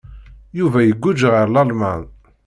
Yuba iguǧǧ ɣer Lalman.